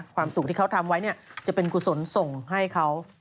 ความสุขที่เขาทำไว้จะเป็นกุศลส่งให้เขา